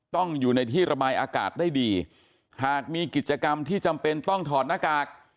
ต้องอยู่ในที่ระบายอากาศได้ดีหากมีกิจกรรมที่จำเป็นต้องถอดหน้ากาก